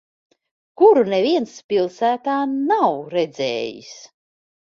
Kuru neviens pilsētā nav redzējis.